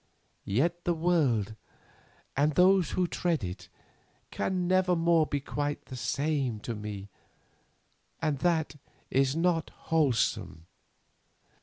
Yet the world, and those who tread it, can never more be quite the same to me, and that is not wholesome.